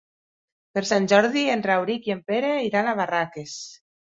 Per Sant Jordi en Rauric i en Pere iran a Barraques.